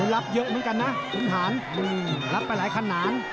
รับเยอะเหมือนกันนะขุนฐานรับไปหลายขนาด